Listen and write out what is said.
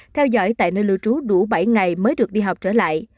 theo dõi tại nơi lưu trú đủ bảy ngày mới được đi học trở lại